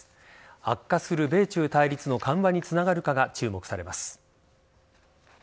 悪化する米中対立の緩和につながるかが注目されます。